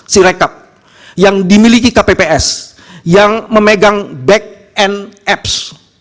sirecap yang dimiliki kpps yang memegang backend apps